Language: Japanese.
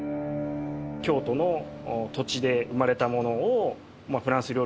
京都の土地で生まれたものをフランス料理に仕立てていく。